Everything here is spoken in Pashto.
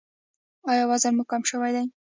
ایا وزن مو کم شوی دی؟